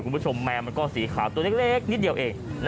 แมวมันก็สีขาวตัวเล็กนิดเดียวเอง